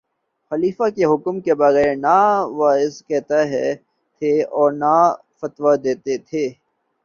خلیفہ کے حکم کے بغیر نہ وعظ کہتے تھے اور نہ فتویٰ دیتے تھے